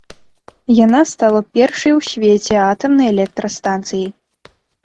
Яна стала першай у свеце атамнай электрастанцыяй.